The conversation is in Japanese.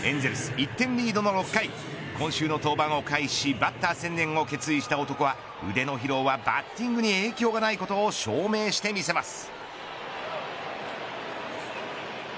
１点リードの６回今週の登板を回避しバッター専念を決意した男は腕の疲労はバッティングに影響がないことを証明してみせます。